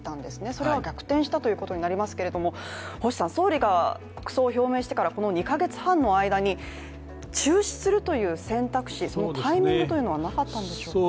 それが逆転したということになりますけれども、総理が国葬を表明してからこの２カ月半の間に中止するという選択肢、そのタイミングはなかったんでしょうか。